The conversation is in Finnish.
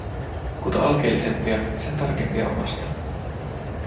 Kuta alkeellisempia, sen tarkempia omastaan.